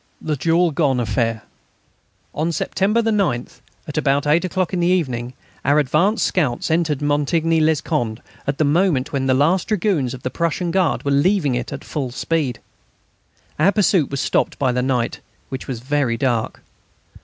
THE JAULGONNE AFFAIR On September 9, at about eight o'clock in the evening, our advanced scouts entered Montigny les Condé at the moment when the last dragoons of the Prussian Guard were leaving it at full speed. Our pursuit was stopped by the night, which was very dark.